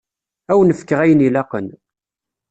Ad wen-fkeɣ ayen ilaqen.